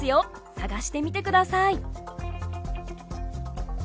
探してみて下さい！